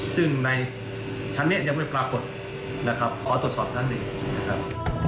ซึ่งในชั้นนี้ยังไม่ปรากฏนะครับขอตรวจสอบชั้นหนึ่งนะครับ